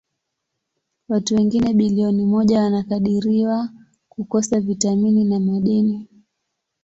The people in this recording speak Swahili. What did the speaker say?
Watu wengine bilioni moja wanakadiriwa kukosa vitamini na madini.